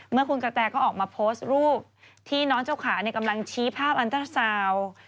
เมื่อคุณกระแตก็ออกมาโพสต์รูปที่น้องเจ้าขากำลังชี้ภาพอันเตอร์ซาวน์